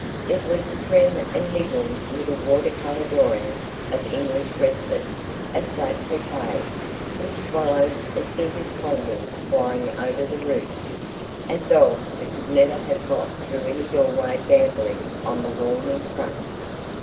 It was a prim and niggling little water colour drawing of English Redford a flat facade, with swallows as big as condors flying over the roofs, and dogs that could never have got through any doorway gambolling on the lawn in front.